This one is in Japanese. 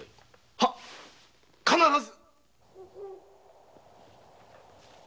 はッ必ず。